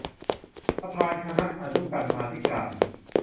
ประธานคณะอนุกรรมาธิการ